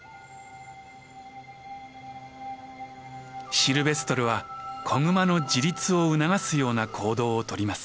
シルベストルは子グマの自立を促すような行動をとります。